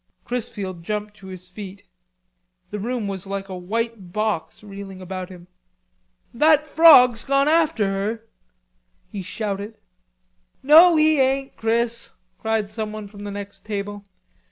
Chrisfield jumped to his feet. The room was like a white box reeling about him. "That frog's gone after her," he shouted. "No, he ain't, Chris," cried someone from the next table.